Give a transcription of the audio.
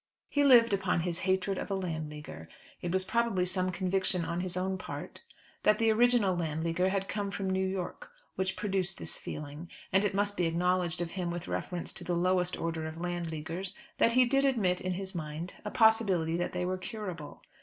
He lived upon his hatred of a Landleaguer. It was probably some conviction on his own part that the original Landleaguer had come from New York, which produced this feeling. And it must be acknowledged of him with reference to the lower order of Landleaguers that he did admit in his mind a possibility that they were curable.